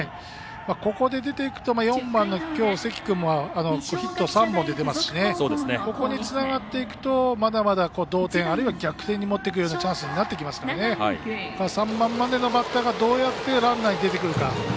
ここで出ていくと４番の関君もヒット３本、出ていますしここにつながっていくとまだまだ同点、あるいは逆転にもっていくようなチャンスになっていきますから３番までのバッターがどうやってランナーに出てくるか。